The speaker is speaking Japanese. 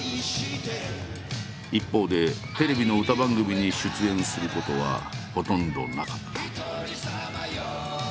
一方でテレビの歌番組に出演することはほとんどなかった。